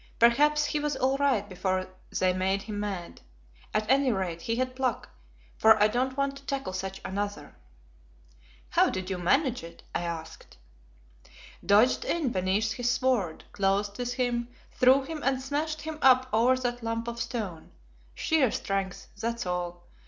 "Perhaps he was all right before they made him mad. At any rate he had pluck, for I don't want to tackle such another." "How did you manage it?" I asked. "Dodged in beneath his sword, closed with him, threw him and smashed him up over that lump of stone. Sheer strength, that's all.